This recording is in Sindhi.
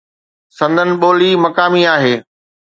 سندن ٻولي مقامي آهي.